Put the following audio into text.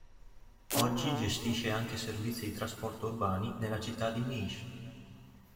Oggi gestisce anche servizi di trasporto urbani nella città di Nis.